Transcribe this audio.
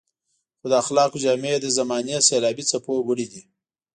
خو د اخلاقو جامې يې د زمانې سېلابي څپو وړي دي.